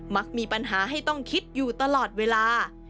มักมีปัญหาให้ต้องคิดอยู่ตลอดเวลา